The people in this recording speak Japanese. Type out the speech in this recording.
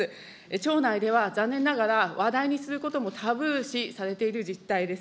町内では残念ながら、話題にすることもタブー視されている実態です。